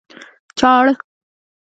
چاړه